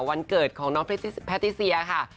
วันเกิดของน้องแพทติเซียค่ะ